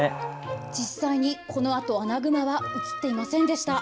実際にこのあと、アナグマは映っていませんでした。